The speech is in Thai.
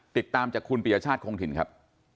ติดตามจากคุณปียชาติคงถิ่นครับ